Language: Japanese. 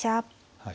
はい。